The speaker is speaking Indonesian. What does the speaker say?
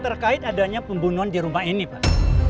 terkait adanya pembunuhan di rumah ini pak